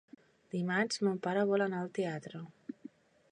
Dimarts mon pare vol anar al teatre.